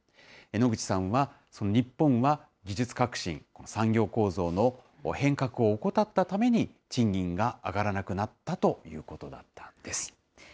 野口さんは、日本は技術革新・産業構造の変革を怠ったために、賃金が上がらなくなったということなんです。